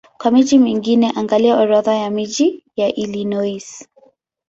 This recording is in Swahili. Kwa miji mingine angalia Orodha ya miji ya Illinois.